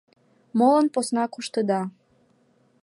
Молан посна коштыда?